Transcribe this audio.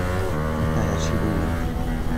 大家去錄音